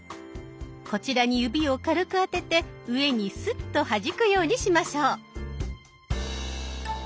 こちらに指を軽くあてて上にスッとはじくようにしましょう。